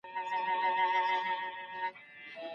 دا کتاب باید په دقت سره ولوستل سي.